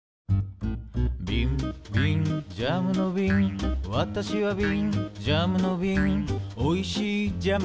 「びんびんジャムのびんわたしはびん」「ジャムのびんおいしいジャムをいれていた」